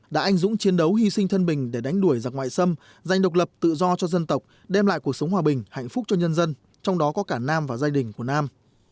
đã anh dũng chiến đấu hy sinh thân bình để đánh đuổi giặc ngoại xâm giành độc lập tự do cho dân tộc đem lại cuộc sống hòa bình hạnh phúc cho nhân dân trong đó có cả nam và gia đình của nam